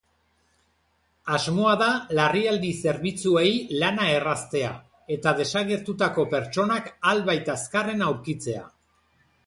Asmoa da larrialdi zerbitzuei lana erraztea, eta desagertutako pertsonak albait azkarren aurkitzea.